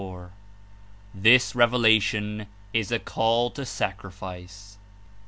144 THIS REVELATION IS A CALL TO SACRIFICE.